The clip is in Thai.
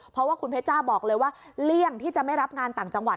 เพราะว่าคุณเพชจ้าบอกเลยว่าเลี่ยงที่จะไม่รับงานต่างจังหวัด